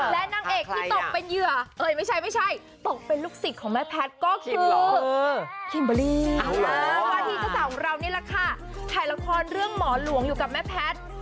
และนางเอกที่ตกเป็นเหยื่อ